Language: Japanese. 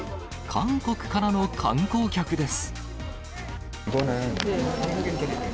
韓国からの観光客です。